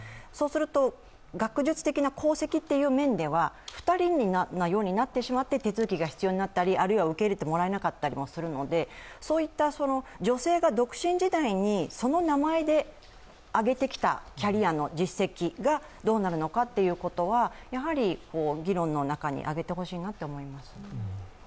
そうすると、学術的な功績では２人のようになってしまって手続が必要になったり、あるいは受け入れてもらえなかったりもするので、そういった女性が独身時代にその名前であげてきたキャリアの実績がどうなるかということはよいしょっ！